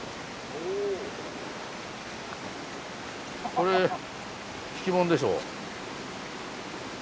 これ敷物でしょ。